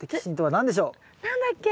何だっけ？